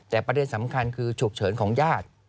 แต่ประเด็นสำคัญคือฉุกเฉินของญาติ